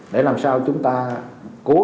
để làm sao chúng ta có thể